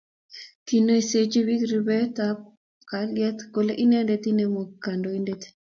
kiinaiseji biik ripindet ab kalyet kole inendet nenomu kaindoinatet